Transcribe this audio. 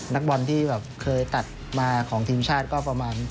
นักบอลที่แบบเคยตัดมาของทีมชาติก็ประมาณ